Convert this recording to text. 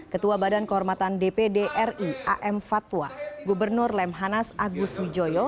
ketua badan kehormatan dpd ri am fatwa gubernur lemhanas agus wijoyo